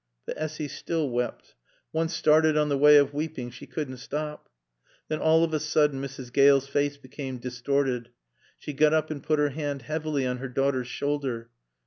But Essy still wept. Once started on the way of weeping, she couldn't stop. Then, all of a sudden, Mrs. Gale's face became distorted. She got up and put her hand heavily on her daughter's shoulder.